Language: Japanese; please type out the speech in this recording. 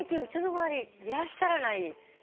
いらっしゃらない。